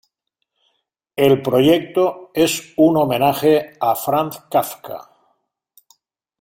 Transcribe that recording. El proyecto es un homenaje a Franz Kafka.